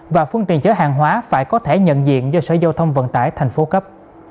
và phương tiện chở hàng hóa phải có thẻ nhận diện do sở giao thông vận tải thành phố cấp